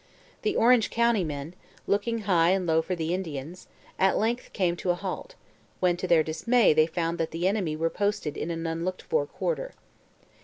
The Orange county men, looking high and low for the Indians, at length came to a halt, when to their dismay they found that the enemy were posted in an unlooked for quarter.